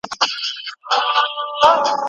ذمي زموږ په منځ کي مېلمه او خوندي دی.